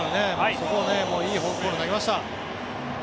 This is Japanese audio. そこをいいフォークボール投げました。